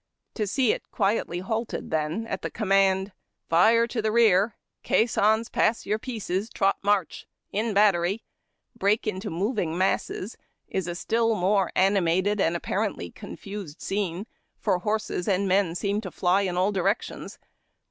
To see it quietly halted, then, at the command, " Fire to the rear. — Caissons pass your pieces trot march. — In Battery," break into moving masses, is a still more animated and apparently confused scene, for horses and men seem to fly in all directions.